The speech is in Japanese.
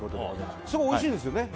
すごくおいしいですよね。